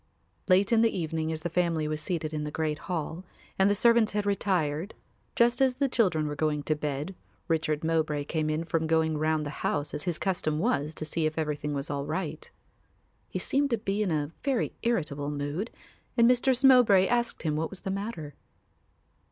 Late in the evening as the family was seated in the great hall and the servants had retired, just as the children were going to bed, Richard Mowbray came in from going round the house as his custom was to see if everything was all right. He seemed to be in a very irritable mood and Mistress Mowbray asked him what was the matter.